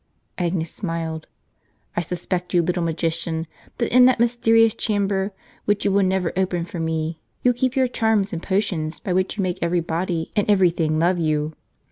(Agnes smiled.) "I suspect, you little magician, that in that mysterious chamber, Avhich you will never open for me, you keep your charms and potions by which you make every body and every thing love you.